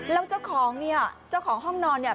แล้วเจ้าของเนี่ยเจ้าของห้องนอนเนี่ย